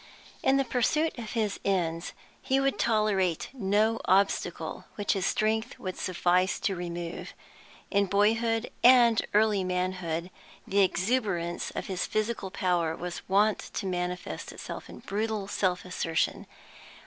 In the pursuit of his ends he would tolerate no obstacle which his strength would suffice to remove. In boyhood and early manhood the exuberance of his physical power was wont to manifest itself in brutal self assertion.